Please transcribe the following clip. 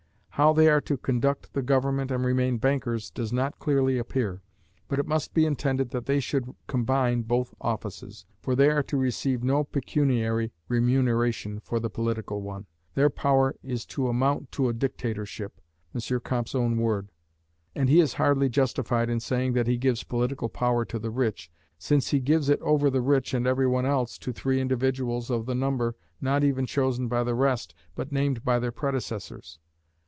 How they are to conduct the government and remain bankers, does not clearly appear; but it must be intended that they should combine both offices, for they are to receive no pecuniary remuneration for the political one. Their power is to amount to a dictatorship (M. Comte's own word): and he is hardly justified in saying that he gives political power to the rich, since he gives it over the rich and every one else, to three individuals of the number, not even chosen by the rest, but named by their predecessors.